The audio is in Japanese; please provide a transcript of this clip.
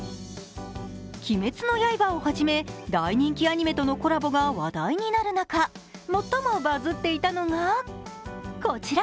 「鬼滅の刃」をはじめ、大人気アニメとのコラボが話題になる中、最もバズっていたのが、こちら。